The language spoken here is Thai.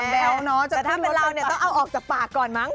แล้วถ้าเป็นเราเนี่ยต้องเอาออกจากปากก่อนมั้ง